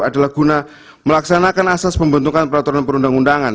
adalah guna melaksanakan asas pembentukan peraturan perundang undangan